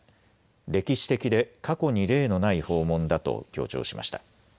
歴史的で過去に例のない訪問だと強調しました。